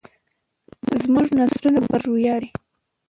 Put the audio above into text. زموږ نسلونه به پر موږ وویاړي.